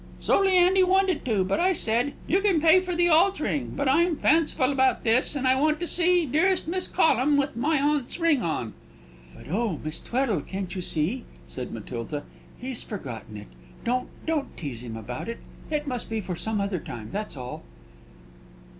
"So Leandy wanted to; but I said, 'You can pay for the altering; but I'm fanciful about this, and I want to see dearest Miss Collum with my aunt's ring on.'" "Oh, but, Miss Tweddle, can't you see?" said Matilda. "He's forgotten it; don't don't tease him about it.... It must be for some other time, that's all!"